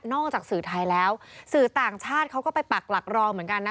จากสื่อไทยแล้วสื่อต่างชาติเขาก็ไปปักหลักรอเหมือนกันนะ